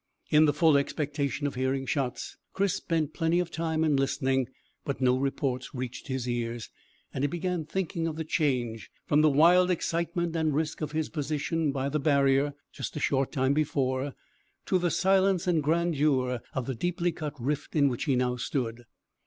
In the full expectation of hearing shots, Chris spent plenty of time in listening; but no reports reached his ears, and he began thinking of the change from the wild excitement and risk of his position by the barrier a short time before, to the silence and grandeur of the deeply cut rift in which he now stood.